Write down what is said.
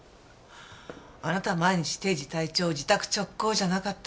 あなたは毎日定時退庁自宅直行じゃなかった？